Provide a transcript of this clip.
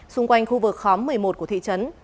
xung quanh khu vực khóm một mươi một của thị trấn